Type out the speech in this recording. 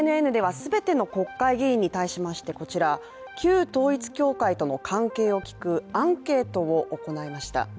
ＪＮＮでは全ての国会議員に対しましてこちら、旧統一教会との関係を聞くアンケートを行いました。